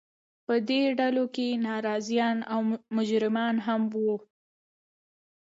په دې ډلو کې ناراضیان او مجرمان هم وو.